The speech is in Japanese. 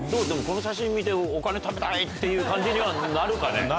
でもこの写真見てお金貯めたいっていう感じにはなるかね？